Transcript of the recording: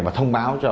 và thông báo cho